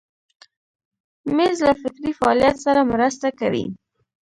مېز له فکري فعالیت سره مرسته کوي.